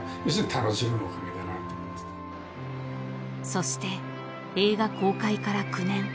［そして映画公開から９年］